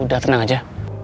udah tenang aja